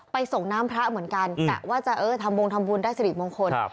ส่งน้ำพระเหมือนกันกะว่าจะเออทำวงทำบุญได้สิริมงคล